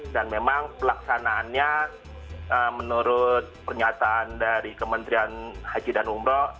dan memang pelaksanaannya menurut pernyataan dari kementerian haji dan umroh